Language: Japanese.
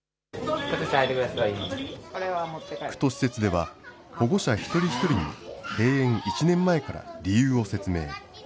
区と施設では保護者一人一人に、閉園１年前から理由を説明。